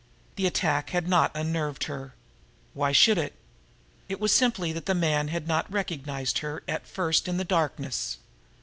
The attack had not unnerved her. Why should it? It was simply that the man had not recognized her at first in the darkness.